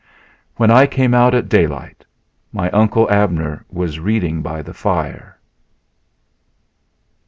When I came down at daylight my Uncle Abner was reading by the fire.